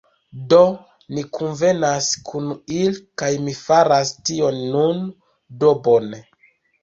Do, ni kunvenas kun ili kaj mi faras tion nun. Do bone.